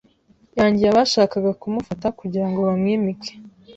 yangiye abashakaga kumufata kugira ngo bamwimike